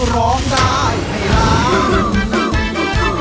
ร้องได้ให้ร้อง